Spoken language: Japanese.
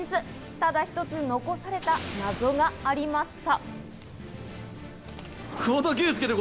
ただ一つ、残された謎がありました。